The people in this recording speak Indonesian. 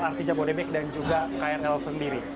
lrt jabodebek dan juga krl sendiri